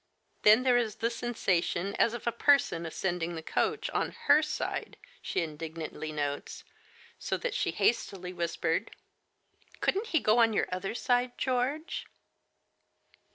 Then there is the sensation as of a person ascending the coach, on her side, she indignantly notes, so that she hastily whispers :" Couldn't he go on your other side, George